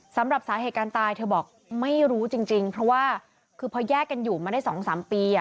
สำหรับสาเหการตายเธอบอกไม่รู้จริงจริงเพราะว่าคือพอแยกกันอยู่มาได้สองสามปีอ่ะ